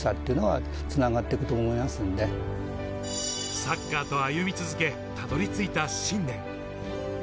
サッカーと歩み続け、辿りついた信念。